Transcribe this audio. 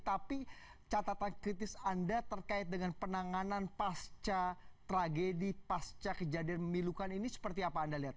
tapi catatan kritis anda terkait dengan penanganan pasca tragedi pasca kejadian memilukan ini seperti apa anda lihat